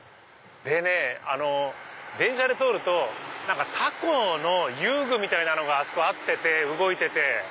でね電車で通るとタコの遊具みたいなのがあそこあって動いてて。